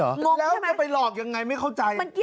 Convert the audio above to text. แล้วจะไปหลอกยังไงไม่เข้าใจ